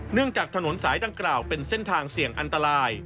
จากถนนสายดังกล่าวเป็นเส้นทางเสี่ยงอันตราย